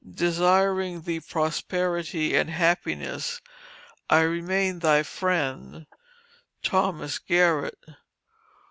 Desiring thee prosperity and happiness, I remain thy friend, THOMAS GARRETT.